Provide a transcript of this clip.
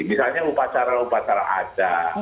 misalnya upacara upacara ada